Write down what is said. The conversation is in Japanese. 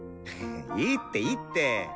いいっていいって！